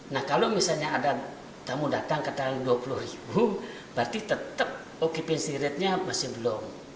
nah kalau misalnya ada tamu datang ke tanggal dua puluh ribu berarti tetap occupancy ratenya masih belum